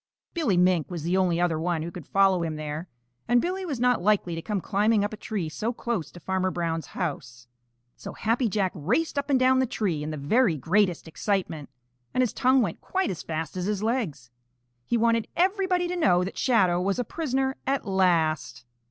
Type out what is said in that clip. Billy Mink was the only other one who could follow him there, and Billy was not likely to come climbing up a tree so close to Farmer Brown's house. So Happy Jack raced up and down the tree in the very greatest excitement, and his tongue went quite as fast as his legs. He wanted everybody to know that Shadow was a prisoner at last.